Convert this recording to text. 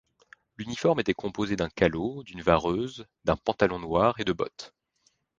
L'uniforme était composé d’un calot, d’une vareuse, d’un pantalon noir et de bottes.